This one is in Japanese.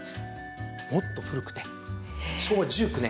もっと古くて昭和１９年。